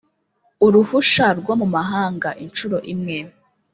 Uruhusha rwo mu mahanga inshuro imwe